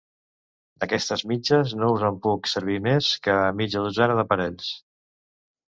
D'aquestes mitges, no us en puc servir més que mitja dotzena de parells.